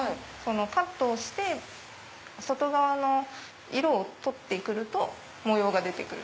カットをして外側の色を取って来ると模様が出て来る。